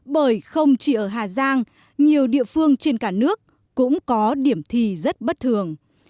bởi không chỉ ở hà giang nhiều địa phương trên cả nước cũng có điểm thi rất bất thường